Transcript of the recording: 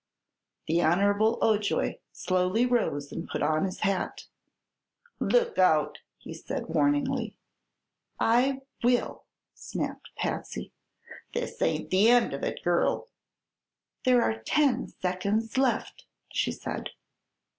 The Honer'ble Ojoy slowly rose and put on his hat. "Look out!" he said warningly. "I will," snapped Patsy. "This ain't the end of it, girl!" "There are ten seconds left," she said.